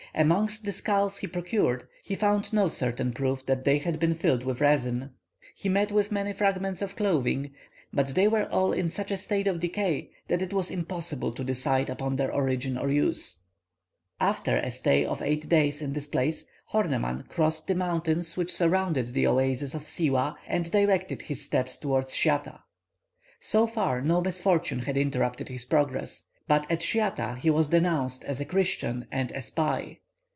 Amongst the skulls he procured, he found no certain proof that they had been filled with resin. He met with many fragments of clothing, but they were all in such a state of decay that it was impossible to decide upon their origin or use. After a stay of eight days in this place, Horneman crossed the mountains which surrounded the oasis of Siwah, and directed his steps towards Schiatah. So far no misfortune had interrupted his progress. But at Schiatah he was denounced as a Christian and a spy.